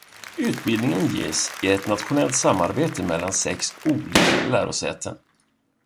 Utbildningen ges i ett nationellt samarbete mellan sex olika lärosäten.